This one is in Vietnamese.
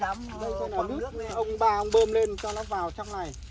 đây là nước ông ba ông bơm lên cho nó vào trong này